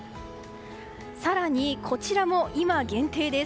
更に、こちらも今限定です。